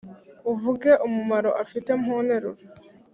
uvuge umumaro afite mu nteruro